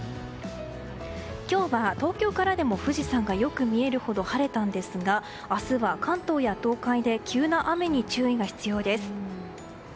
今日は、東京からでも富士山がよく見えるほど晴れたんですが明日は関東や東海で急な雨に注意が必要です。